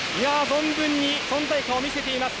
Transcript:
存分に存在感を見せています。